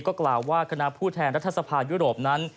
อากราวว่าคณะผู้แทนรัฐธรรมยุโรปนั้น